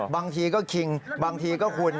บางทีก็คิงบางทีก็คุณ